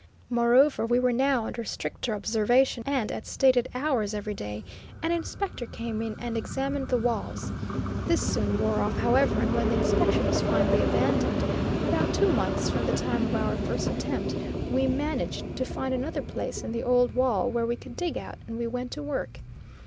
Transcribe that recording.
Moreover, we were now under stricter observation, and at stated hours every day, an inspector came in and examined the walls. This soon wore off, however, and when the inspection was finally abandoned, about two months from the time of our first attempt, we managed to find another place in the old wall where we could dig out and we went to work.